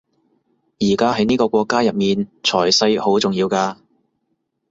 而家喺呢個國家入面財勢好重要㗎